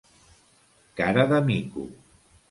Cara de mico.